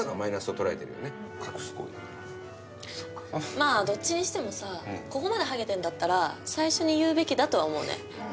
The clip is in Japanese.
まぁどっちにしてもさここまでハゲてんだったら最初に言うべきだとは思うね。